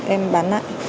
em bán lại